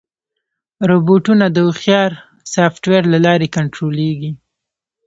روبوټونه د هوښیار سافټویر له لارې کنټرولېږي.